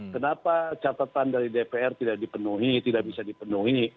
kenapa catatan dari dpr tidak dipenuhi tidak bisa dipenuhi